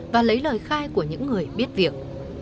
và lấy lời khai của những người biết việc